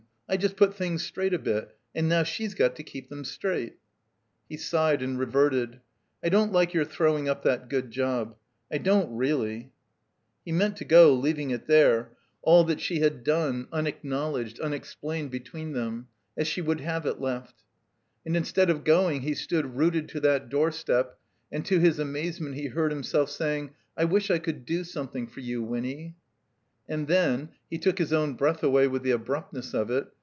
I just put things straight a bit, and now she's got to keep them straight." He sighed, and reverted. "I don't like your throwing up that good job. I don't reelly." He meant to go, leaving it there, all that she had *2II THE COMBINED MAZE done, unacknowledged, unexplained between them, as she would have it left. And mstead of going he stood rooted to that doorstep, and to his amazement he heard himself saying, "I wish I could do some thing for you, Winny." And then (he took his own breath away with the abruptness of it).